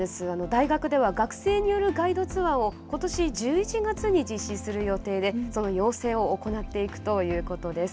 大学では学生によるガイドツアーをことし１１月に実施する予定でその養成を行っていくということです。